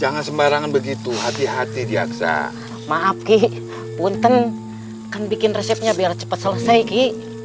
jangan sembarangan begitu hati hati diaksa maaf ki punten kan bikin resepnya biar cepat selesai ki